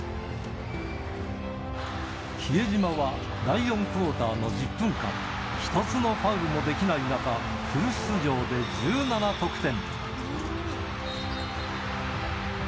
比江島は第４クオーターの１０分間、一つのファウルもできない中、フル出場で１７得点。